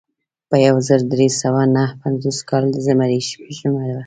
په یو زر درې سوه نهه پنځوس کال د زمري شپږمه وه.